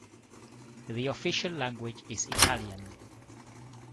The official language is Italian.